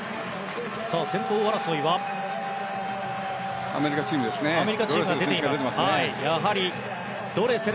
先頭争いはアメリカチームが出ています。